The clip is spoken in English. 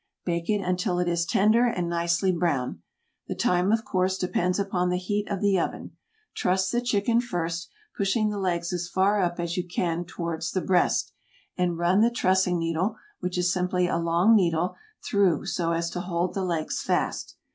Bake it until it is tender and nicely brown; the time of course depends upon the heat of the oven. Truss the chicken first, pushing the legs as far up as you can towards the breast, and run the trussing needle, which is simply a long needle, through so as to hold the legs fast.